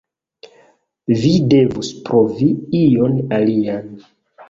Vi devus provi ion alian.